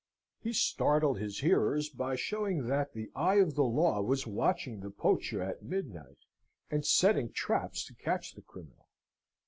He startled his hearers by showing that the Eye of the Law was watching the poacher at midnight, and setting traps to catch the criminal.